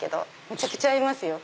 めちゃくちゃ合いますよ。